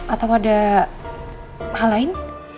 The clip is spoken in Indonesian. atau ada hal lain